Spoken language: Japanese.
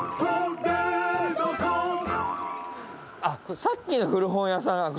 あっ。